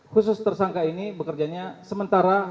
khusus tersangka ini bekerjanya sementara